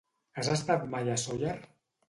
Has estat mai a Sóller?